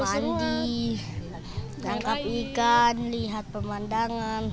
mandi tangkap ikan lihat pemandangan